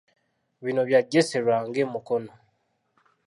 Bino bya Jesse Lwanga e Mukono.